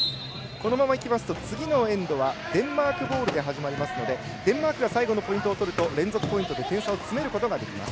このままいきますと次のエンドはデンマークボールで始まりますのでデンマークが最後のポイントを取ると連続ポイントで点差を詰めることができます。